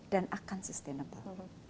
dan akan sustainable